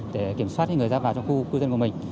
để kiểm soát người ra vào trong khu cư dân của mình